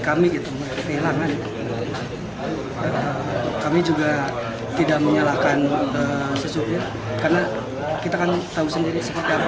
kami itu kehilangan kami juga tidak menyalahkan sesubir karena kita kan tahu sendiri seperti apa